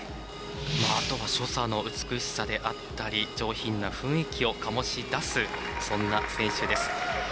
あとは所作の美しさであったり上品な雰囲気をかもし出すそんな選手です。